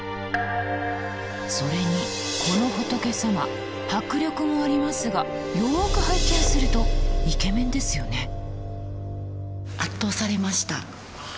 それにこの仏様迫力もありますがよく拝見するとイケメンですよね。